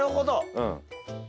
うん。